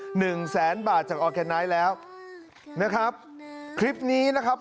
หนึ่งแสนบาทจากออร์แกไนท์แล้วนะครับคลิปนี้นะครับ